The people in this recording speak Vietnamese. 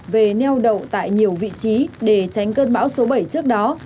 về neo đậu tại nhiều vị trí để tránh cơn bão số bảy trước đó